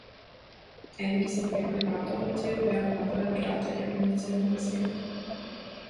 Einige sind eher privat orientiert, während andere auf staatlicher Finanzierung basieren.